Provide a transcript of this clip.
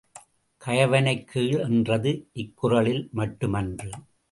கயவனைக் கீழ் என்றது இக்குறளில் மட்டுமன்று.